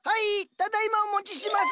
ただ今お持ちします。